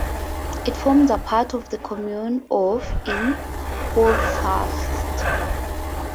It forms a part of the commune of in Houthulst.